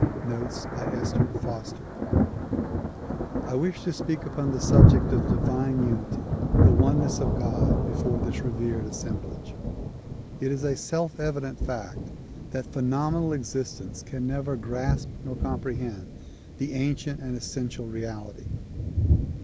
Notes by Esther Foster I WISH to speak upon the subject of "Divine Unity," the "One ness of God, '' before this revered assemblage. It is a self evident fact that phenomenal existence can never grasp nor comprehend the ancient and essential reality.